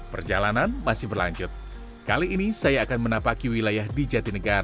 perjalanan masih berlanjut